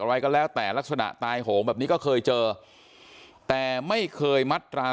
อะไรก็แล้วแต่ลักษณะตายโหงแบบนี้ก็เคยเจอแต่ไม่เคยมัตรา